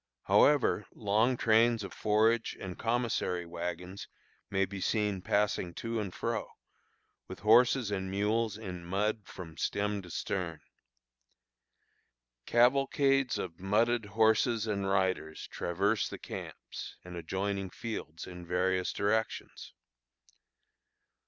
However, long trains of forage and commissary wagons may be seen passing to and fro, with horses and mules in mud from "stem to stern." Cavalcades of mudded horses and riders traverse the camps and adjoining fields in various directions.